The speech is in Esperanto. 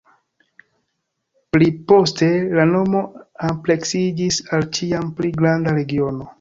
Pli poste la nomo ampleksiĝis al ĉiam pli granda regiono.